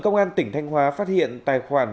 công an tỉnh thanh hóa phát hiện tài khoản